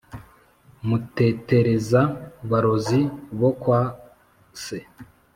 mutetereza- barozi bo kwase